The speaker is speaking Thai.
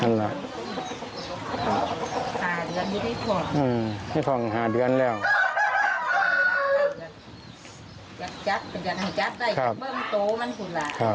มันก็สิ่งใจโหดเที่ยมไม่มีทักแม่เถอะ